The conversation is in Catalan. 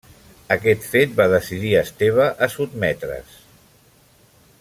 Aquest fet va decidir a Esteve a sotmetre's.